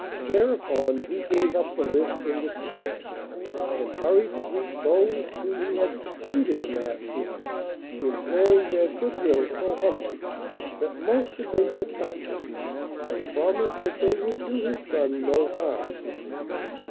Thereupon he gave up the list in despair and hurried to greet those whom he had succeeded in asking, imploring their goodwill so humbly that most of them were touched, and promised that they would do his son no harm.